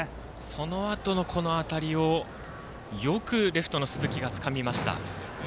そのあとのこの当たりをよくレフトの鈴木がつかみました。